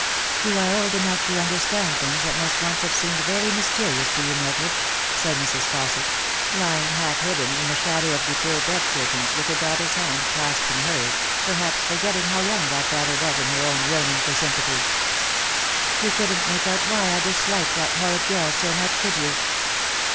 " You are old enough to understand things that must once have seemed very mysterious to you, Mildred," said Mrs. Fausset, lying half hidden in the shadow of guipure bed curtains, with her daughter's hand clasped in hers, perhaps forgetting how young that daughter was in her own yearning for sym pathy. " You couldn't make out why I disliked that horrid girl so much, could you